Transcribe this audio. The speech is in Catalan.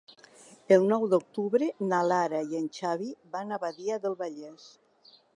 El nou d'octubre na Lara i en Xavi van a Badia del Vallès.